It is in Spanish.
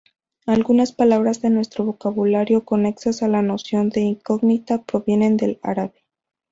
Algunas palabras de nuestro vocabulario conexas a la noción de incógnita provienen del árabe.